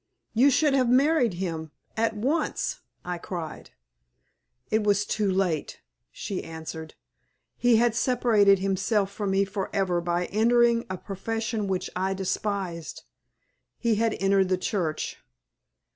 "You should have married him at once," I cried. "It was too late," she answered. "He had separated himself from me forever by entering a profession which I despised. He had entered the Church."